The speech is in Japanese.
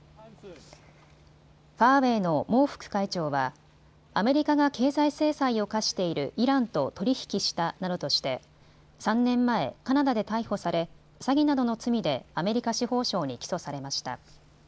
ファーウェイの孟副会長はアメリカが経済制裁を科しているイランと取り引きしたなどとして３年前、カナダで逮捕され詐欺などの罪でアメリカ司法省に起訴されました。